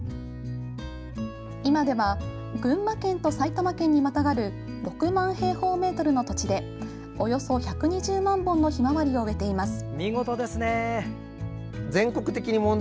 今では群馬県と埼玉県にまたがる６万平方メートルの土地でおよそ１２０万本のひまわりを植えています。